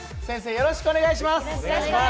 よろしくお願いします。